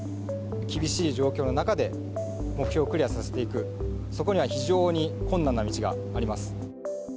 厳しい状況の中で、目標をクリアさせていく、そこには非常に困難な道があります。